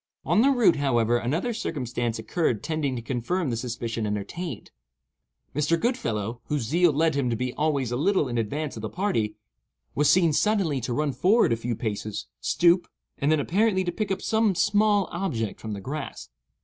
On the route, however, another circumstance occurred tending to confirm the suspicion entertained. Mr. Goodfellow, whose zeal led him to be always a little in advance of the party, was seen suddenly to run forward a few paces, stoop, and then apparently to pick up some small object from the grass.